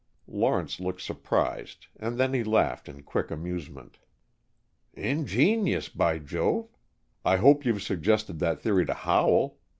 Lawrence looked surprised and then he laughed in quick amusement. "Ingenious, by Jove! I hope you've suggested that theory to Howell.